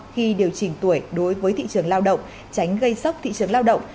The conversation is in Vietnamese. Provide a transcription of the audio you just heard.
khi điều trình tuổi đối với thị trường lao động tránh gây sóc thị trường lao động